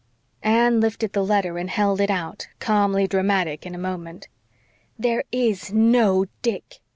Anne lifted the letter and held it out, calmly dramatic in a moment. "There is NO Dick!